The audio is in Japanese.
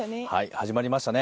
始まりましたね。